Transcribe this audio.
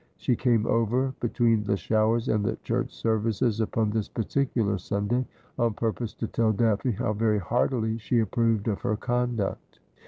She came over between the showers and the church services upon this particular Sunday, on purpose to tell Daphne how very heartily she approved of her conduct.